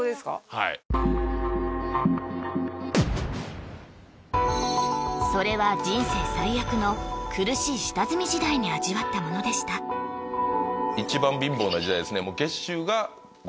はいそれは人生最悪の苦しい下積み時代に味わったものでした一番貧乏な時代ですね